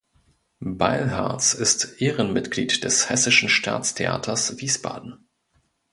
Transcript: Beilharz ist Ehrenmitglied des Hessischen Staatstheaters Wiesbaden.